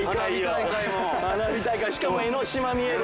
しかも江の島見える。